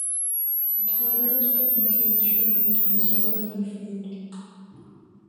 The tiger was put in a cage for a few days without any food.